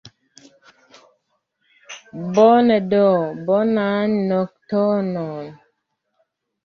Bone do, bonan nokton!